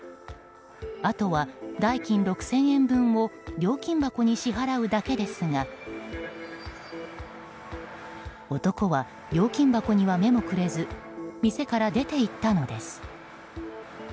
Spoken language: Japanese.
あとは代金６０００円分を料金箱に支払うだけですが男は料金箱には目もくれず店から出ていったのです。